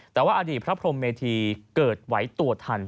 แต่ว่าอดีตพระพรมเมธีเกิดไหวตัวทัน